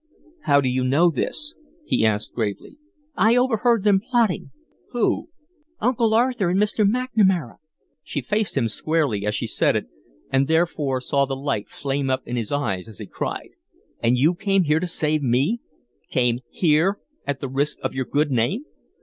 "How do you know this?" he asked, gravely. "I overheard them plotting." "Who?" "Uncle Arthur and Mr. McNamara." She faced him squarely as she said it, and therefore saw the light flame up in his eyes as he cried: "And you came here to save me came HERE at the risk of your good name?"